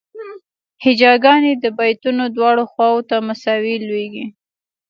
هجاګانې د بیتونو دواړو خواوو ته مساوي لویږي.